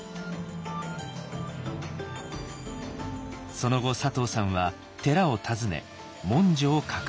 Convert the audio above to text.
その後佐藤さんは寺を訪ね文書を確認。